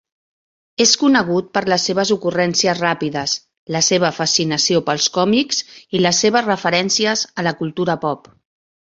És conegut per les seves ocurrències ràpides, la seva fascinació pels còmics i les seves referències a la cultura pop.